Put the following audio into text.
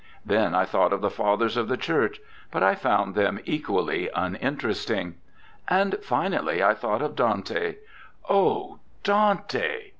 Then I thought of the Fathers of the Church, but I found them equally uninteresting. And suddenly I thought of Dante. Oh! Dante.